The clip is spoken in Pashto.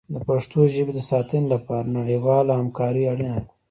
د پښتو ژبې د ساتنې لپاره نړیواله همکاري اړینه ده.